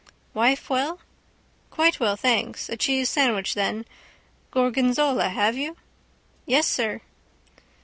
—Wife well? —Quite well, thanks... A cheese sandwich, then. Gorgonzola, have you? —Yes, sir.